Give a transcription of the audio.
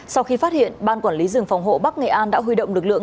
sau khi phát hiện ban quản lý rừng phòng hộ bắc nghệ an đã huy động lực lượng